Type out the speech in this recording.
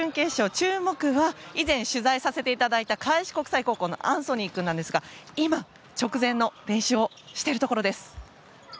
注目は以前、取材させていただいた開志国際高校のアンソニー君なんですが今、直前の練習をしているところです。